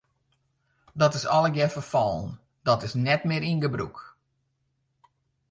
Dat is allegear ferfallen, dat is net mear yn gebrûk.